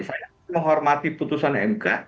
saya menghormati putusan mk